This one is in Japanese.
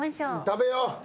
食べよう。